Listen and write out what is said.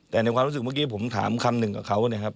แต่ในความรู้สึกเมื่อกี้ผมถามคำหนึ่งกับเขานะครับ